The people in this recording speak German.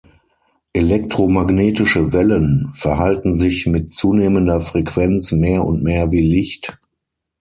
Elektromagnetische Wellen verhalten sich mit zunehmender Frequenz mehr und mehr wie Licht.